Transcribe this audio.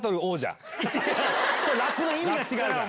ラップの意味が違うから！